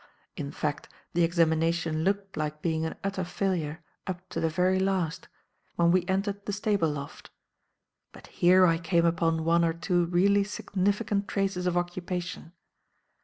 In fact, the examination looked like being an utter failure up to the very last, when we entered the stable loft; but here I came upon one or two really significant traces of occupation.